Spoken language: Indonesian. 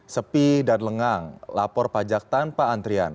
sepi dan lengang lapor pajak tanpa antrian